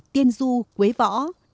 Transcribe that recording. tiên du quế võ